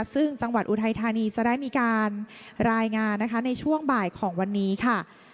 ซึ่งจังหวัดอุทัยธานีจะได้มีการรายงานนะคะในช่วงบ่ายของวันนี้ค่ะ